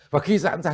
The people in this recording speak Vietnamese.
và khi giãn ra